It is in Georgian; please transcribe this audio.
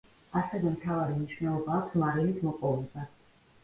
ასევე მთავარი მნიშვნელობა აქვს მარილის მოპოვებას.